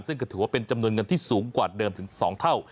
ซึ่งก็ถือว่าเป็นจำนวนเงินที่สูงกว่าเดิมถึง๒เท่า